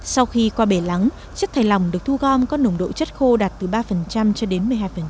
sau khi qua bể lắng chất thải lòng được thu gom có nồng độ chất khô đạt từ ba cho đến một mươi hai